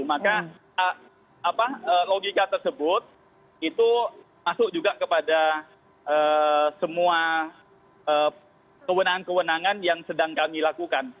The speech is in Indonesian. maka logika tersebut itu masuk juga kepada semua kewenangan kewenangan yang sedang kami lakukan